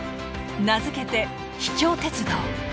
名付けて「秘境鉄道」。